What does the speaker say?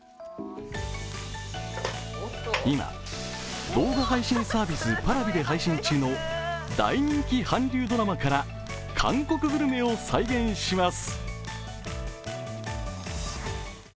今、動画配信サービスＰａｒａｖｉで配信中の大人気韓流ドラマから韓国グルメを再現します。